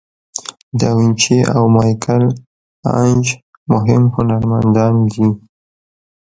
داوینچي او میکل آنژ مهم هنرمندان دي.